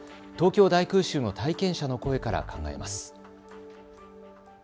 東京大空襲の体験者の声から考えます。